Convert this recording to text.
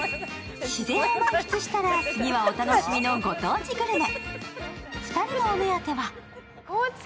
自然を満喫したら、次はお楽しみのご当地グルメ。